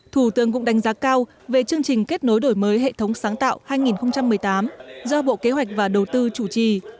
thủ tướng cũng đánh giá cao về chương trình kết nối đổi mới hệ thống sáng tạo hai nghìn một mươi tám do bộ kế hoạch và đầu tư chủ trì